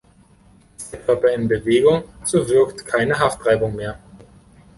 Ist der Körper in Bewegung, so wirkt keine Haftreibung mehr.